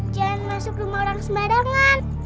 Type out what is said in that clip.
jangan masuk rumah orang sembarangan